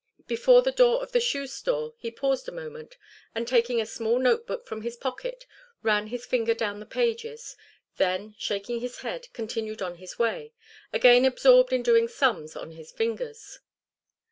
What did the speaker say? Before the door of the shoe store he paused a moment, and taking a small note book from his pocket ran his finger down the pages, then shaking his head continued on his way, again absorbed in doing sums on his fingers.